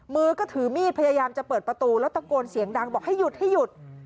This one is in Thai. มือก็ถือมีดพยายามจะเปิดประตูแล้วตะโกนเสียงดังบอกให้หยุดให้หยุด